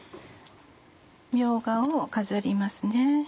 みょうがを飾ります。